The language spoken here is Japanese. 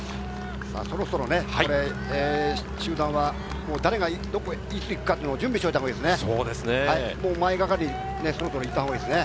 そろそろ集団は誰が行くかっていうのを準備しておいたほうがいいですね。